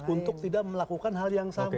untuk tidak melakukan hal yang sama